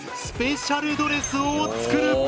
スペシャルドレスを作る！